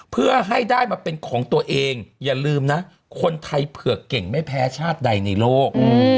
เพื่อให้ได้มาเป็นของตัวเองอย่าลืมนะคนไทยเผือกเก่งไม่แพ้ชาติใดในโลก